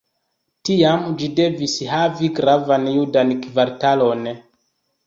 Tiam ĝi devis havi gravan judan kvartalon.